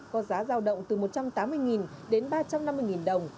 có giá giao động từ một trăm tám mươi đến ba trăm năm mươi đồng